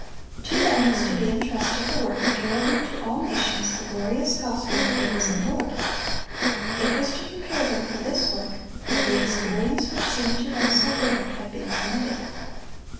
To them was to be intrusted the work of heralding to all nations the glorious gospel of their risen Lord. It was to prepare them for this work, that the experience which seemed to them so bitter had been permitted.